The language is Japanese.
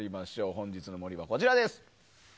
本日の森は、こちらです。